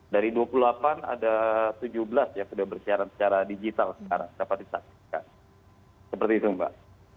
dari dua puluh delapan ada tujuh belas yang sudah bersiaran secara digital sekarang dapat disaksikan seperti itu mbak